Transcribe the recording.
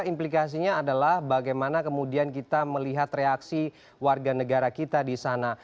implikasinya adalah bagaimana kemudian kita melihat reaksi warga negara kita di sana